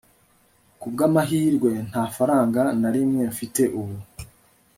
kubwamahirwe, nta faranga na rimwe mfite ubu